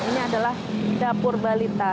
ini adalah dapur balita